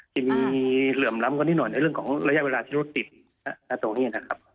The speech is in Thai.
จะมีเหลื่อมล้ำกันนิดหน่อยในเรื่องของระยะเวลาที่รถติดตรงนี้นะครับ